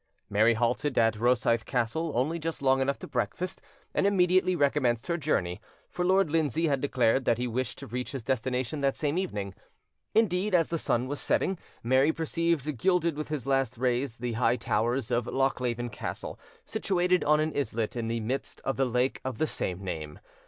Mary halted at Rosythe Castle only just long enough to breakfast, and immediately recommenced her journey; for Lord Lindsay had declared that he wished to reach his destination that same evening. Indeed, as the sun was setting, Mary perceived gilded with his last rays the high towers of Lochleven Castle, situated on an islet in the midst of the lake of the same name.